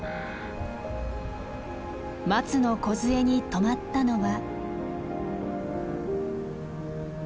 マツのこずえに止まったのは。